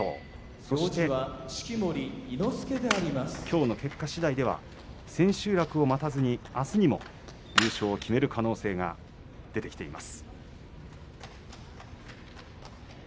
そして、きょうの結果しだいでは千秋楽を待たずにあすにも優勝を決める可能性が出てきています。